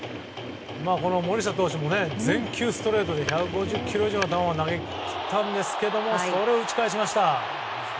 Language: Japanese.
森下投手も全球ストレートで１５０キロ以上の球を投げ切ったんですけどそれを打ち返しました。